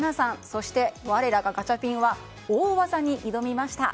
そして、我らがガチャピンは大技に挑みました。